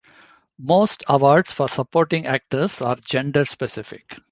Most awards for supporting actors are gender-specific.